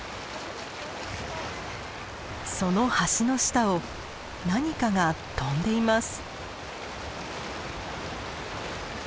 その橋の下を何かが飛んでいます。